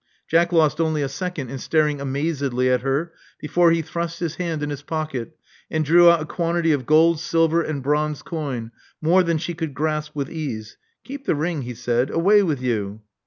'* Jack lost only a second in staring amazedly at her before he thrust his hand in his pocket, and drew out a quantity of gold, silver and bronze coin, more than she could grasp with ease. Keep the ring," he said. Away with you."